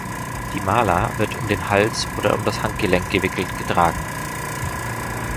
Die Mala wird um den Hals oder um das Handgelenk gewickelt getragen.